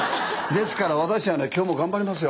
ですから私はね今日も頑張りますよ。